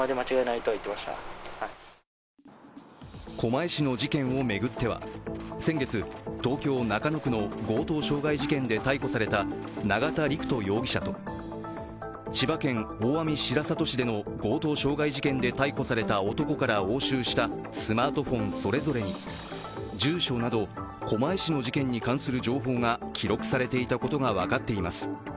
狛江市の事件を巡っては先月、東京・中野区の強盗傷害事件で逮捕された永田陸人容疑者と、千葉県大網白里市での強盗傷害事件で逮捕された男から押収したスマートフォンそれぞれに住所など狛江市の事件に関する情報が記録されていたことが分かっています。